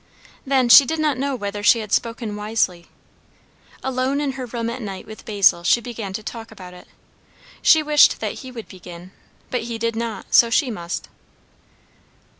Then she did not know whether she had spoken wisely. Alone in her room at night with Basil she began to talk about it. She wished that he would begin; but he did not, so she must.